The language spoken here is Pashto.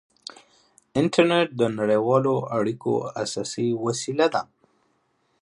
انټرنېټ د نړیوالو اړیکو اساسي وسیله ده.